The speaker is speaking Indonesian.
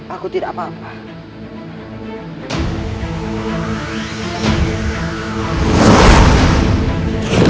aku tidak apa apa